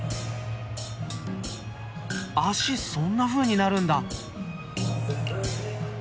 足そんなふうになるんだ。